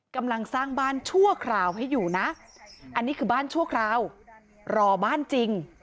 กำลังสร้างบ้านชั่วคราวให้อยู่นะอันนี้คือบ้านชั่วคราวรอบ้านจริง